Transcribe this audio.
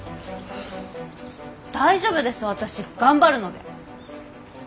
大丈夫です私頑張るので。